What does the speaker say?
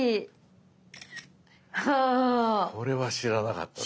これは知らなかったぞ。